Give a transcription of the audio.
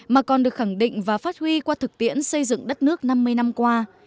mà còn được khẳng định và phát huy qua thực tiễn xây dựng đất nước năm mươi năm qua